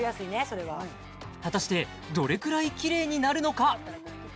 それは果たしてどれくらいきれいになるのか？